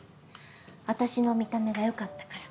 私の見た目がよかったから。